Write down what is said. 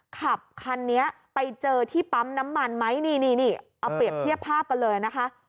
ขับคันนี้ไปเจอที่ปั๊มน้ำมันไหมนี่นี่เอาเปรียบเทียบภาพกันเลยนะคะ